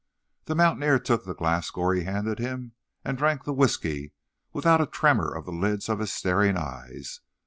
The mountaineer took the glass Goree handed him, and drank the whisky without a tremor of the lids of his staring eyes.